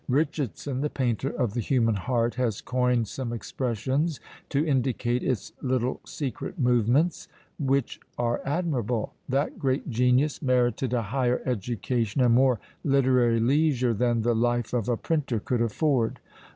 Richardson, the painter of the human heart, has coined some expressions to indicate its little secret movements, which are admirable: that great genius merited a higher education and more literary leisure than the life of a printer could afford.